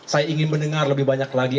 saya ingin mendengar lebih banyak lagi